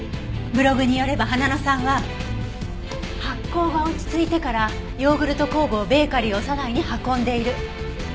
ブログによれば花野さんは発酵が落ち着いてからヨーグルト酵母をベーカリーオサナイに運んでいる。